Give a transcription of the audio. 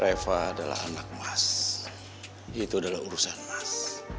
reva adalah anak mas itu adalah urusan mas